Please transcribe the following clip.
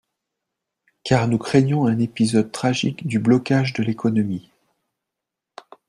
Car nous craignons un épisode tragique du blocage de l’économie.